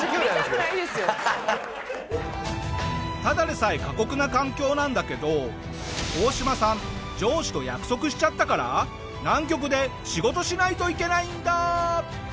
ただでさえ過酷な環境なんだけどオオシマさん上司と約束しちゃったから南極で仕事しないといけないんだ！